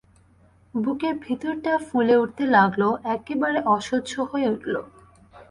বুকের ভিতরটা ফুলে উঠতে লাগল, একেবারে অসহ্য হয়ে উঠল।